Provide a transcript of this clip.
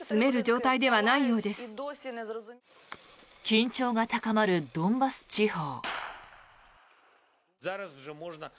緊張が高まるドンバス地方。